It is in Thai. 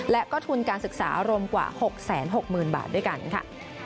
และก็ทุนการศึกษารวมกว่า๖๖๐๐๐บาทด้วยกันค่ะ